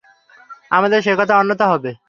আমার সে কথার অন্যথা হবে না।